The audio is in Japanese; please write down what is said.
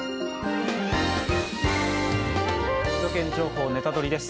「首都圏情報ネタドリ！」です。